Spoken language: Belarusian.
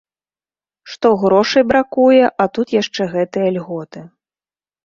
Што грошай бракуе, а тут яшчэ гэтыя льготы.